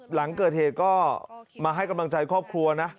หลังเกิดเหตุก็มาให้กำลังใจครอบครัวนะ